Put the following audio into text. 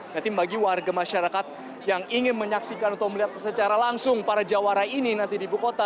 nanti bagi warga masyarakat yang ingin menyaksikan atau melihat secara langsung para jawara ini nanti di ibu kota